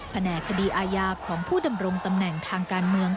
แหนกคดีอาญาของผู้ดำรงตำแหน่งทางการเมือง